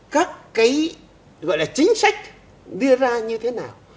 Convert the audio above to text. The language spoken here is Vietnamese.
các cái gọi là chính sách đưa ra như thế nào